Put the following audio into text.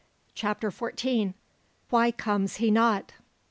CHAPTER FOURTEEN. WHY COMES HE NOT?